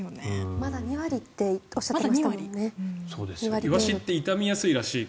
まだ２割っておっしゃっていましたね。